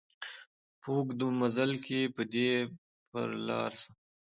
په اوږد مزله کي به دي پر لار سم